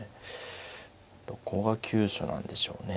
どこが急所なんでしょうね。